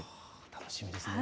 楽しみですね。